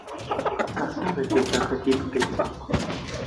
ئاسانە بێتاقەتی بکەیت.